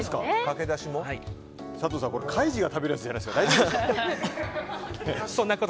佐藤さん、カイジが食べるやつじゃないですか。